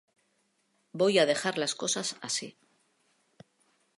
Voy a dejar las cosas así"".